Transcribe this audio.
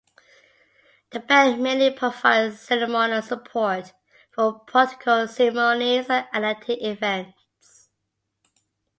The band mainly provides ceremonial support for protocol ceremonies and athletic events.